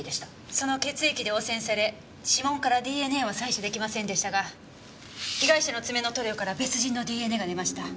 その血液で汚染され指紋からＤＮＡは採取出来ませんでしたが被害者の爪の塗料から別人のＤＮＡが出ました。